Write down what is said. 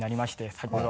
先ほど。